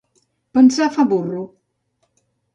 Pensar fa burro.